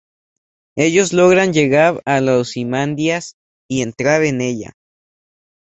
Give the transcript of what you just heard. Ellos logran llegar a la Ozymandias y entrar en ella.